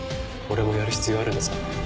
俺もやる必要あるんですか？